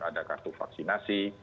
ada kartu vaksinasi